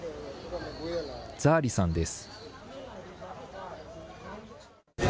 ザー・リさんです。